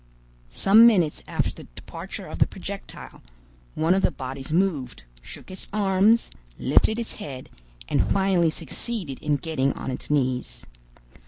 Some minutes after the departure of the projectile, one of the bodies moved, shook its arms, lifted its head, and finally succeeded in getting on its knees.